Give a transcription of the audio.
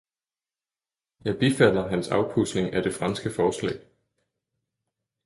Jeg bifalder hans afpudsning af det franske forslag.